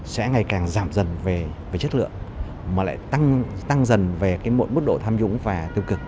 sẽ ngày càng giảm dần về chất lượng mà lại tăng dần về cái mỗi mức độ tham nhũng và tiêu cực